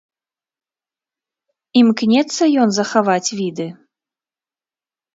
Імкнецца ён захаваць віды?